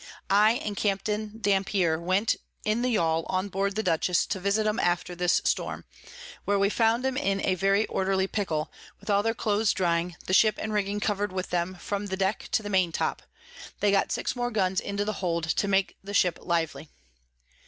I and Capt. Dampier went in the Yall on board the Dutchess, to visit 'em after this Storm; where we found 'em in a very orderly pickle, with all their Clothes drying, the Ship and Rigging cover'd with them from the Deck to the Main Top: They got six more Guns into the Hold, to make the Ship lively.